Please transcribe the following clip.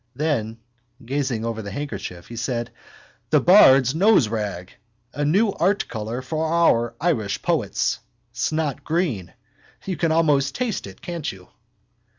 Then, gazing over the handkerchief, he said: —The bard's noserag! A new art colour for our Irish poets: snotgreen. You can almost taste it, can't you?